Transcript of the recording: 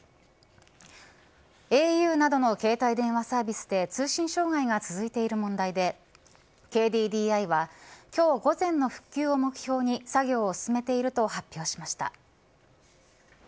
ａｕなどの携帯電話サービスで通信障害が続いている問題でＫＤＤＩは今日午前の復旧を目標に作業を進めていると発表しました。